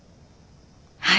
はい。